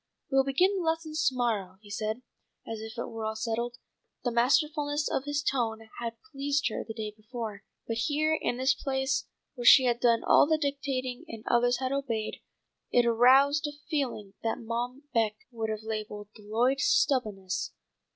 "We'll begin the lessons to morrow," he said, as if it were all settled. The masterfulness of his tone had pleased her the day before, but here in the place where she had done all the dictating and others had obeyed, it aroused a feeling that Mom Beck would have labelled "the Lloyd stubbo'ness."